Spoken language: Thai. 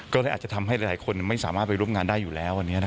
ก็เลยอาจจะทำให้หลายคนไม่สามารถไปร่วมงานได้อยู่แล้ว